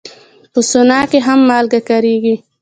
په سونا کې هم مالګه کارېږي.